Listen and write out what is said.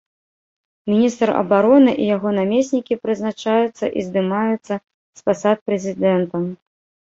Міністр абароны і яго намеснікі прызначаюцца і здымаюцца з пасад прэзідэнтам.